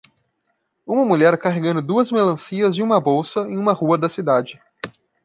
Uma mulher carregando duas melancias e uma bolsa em uma rua da cidade.